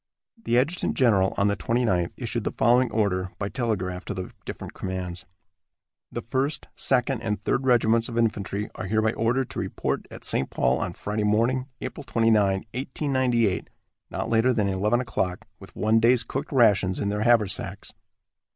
The adjutant general, on the 29th, issued the following order, by telegraph, to the different commands: "The First, Second and Third Regiments of infantry are hereby ordered to report at St. Paul on Friday morning, April 29, 1898, not later than eleven o'clock, with one day's cooked rations in their haversacks."